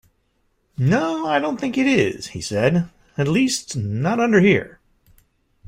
‘No, I don’t think it is,’ he said: ‘at least—not under here’.